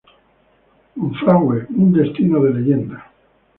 Monfragüe, Un destino de Leyenda.